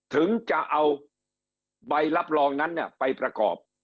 ถึงจะเอาใบรับรองนั้นไปประกอบ